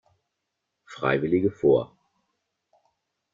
Freiwillige vor!